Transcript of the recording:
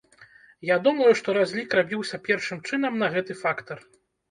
Я думаю, што разлік рабіўся першым чынам на гэты фактар.